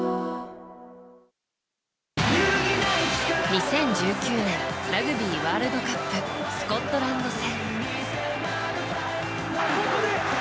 ２０１９年ラグビーワールドカップスコットランド戦。